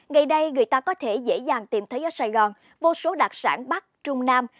ngày đây người ta có thể dễ dàng tìm thấy ở sài gòn vô số đặc sản bắc trung nam